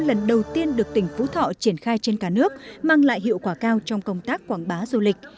lần đầu tiên được tỉnh phú thọ triển khai trên cả nước mang lại hiệu quả cao trong công tác quảng bá du lịch